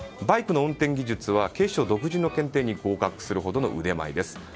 バイクの運転技術は警視庁独自の検定に合格するほどの腕前です。